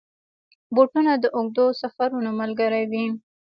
بوټونه د اوږدو سفرونو ملګري وي.